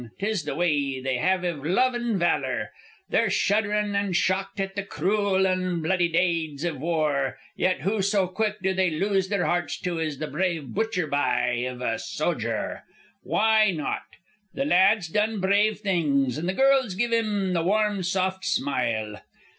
'Tis the way they have iv lovin' valor. They're shuddered an' shocked at the cruel an' bloody dades iv war, yet who so quick do they lose their hearts to as the brave butcher bye iv a sodger? Why not? The lad's done brave things, and the girls give him the warm soft smile.